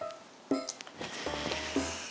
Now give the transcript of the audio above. siapa cewek tadi